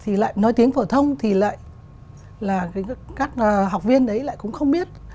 thì lại nói tiếng phổ thông thì lại là các học viên đấy lại cũng không biết